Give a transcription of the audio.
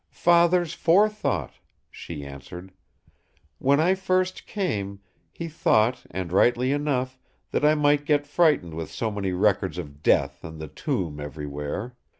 "Father's forethought!" she answered. "When I first came, he thought, and rightly enough, that I might get frightened with so many records of death and the tomb everywhere.